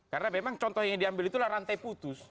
karena memang contoh yang diambil itulah rantai putus